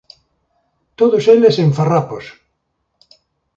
Todos eles en farrapos.